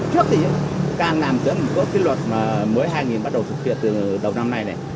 trước thì càng làm tưởng có cái luật mới hai nghìn bắt đầu thực hiện từ đầu năm nay này